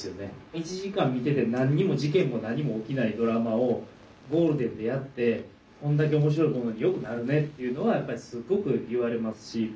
１時間見てて何も事件も何も起きないドラマをゴールデンでやってこんだけ面白いものによくなるねっていうのはやっぱりすごく言われますし。